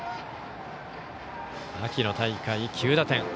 秋の大会、９打点。